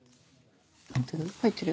入ってる？